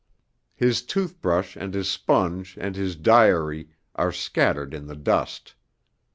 His toothbrush and his sponge and his diary are scattered in the dust.